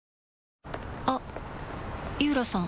あっ井浦さん